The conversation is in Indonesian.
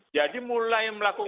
jadi mulai melakukan